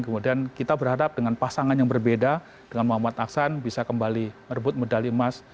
kemudian kita berharap dengan pasangan yang berbeda dengan muhammad aksan bisa kembali merebut medali emas